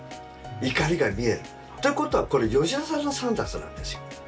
怒りが見えるってことはこれ吉田さんのサンダースなんですよ。